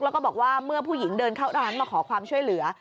แล้วก็บอกว่าเมื่อผู้หญิงเดินเข้าร้านมาขอความช่วยเหลือ